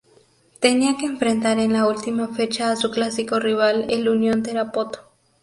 Tenía que enfrentar en la última fecha a su clásico rival el Unión Tarapoto.